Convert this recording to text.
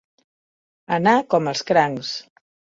Anar com els crancs.